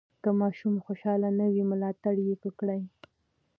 که ماشوم خوشحاله نه وي، ملاتړ یې وکړئ.